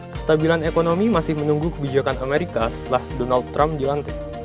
kestabilan ekonomi masih menunggu kebijakan amerika setelah donald trump dilantik